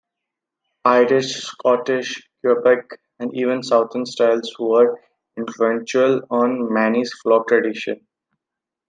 Irish, Scottish, Quebec, and even southern styles were influential on Maine's folk tradition.